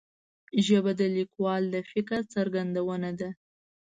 ژبه د لیکوال د فکر څرګندونه ده